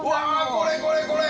これこれこれ！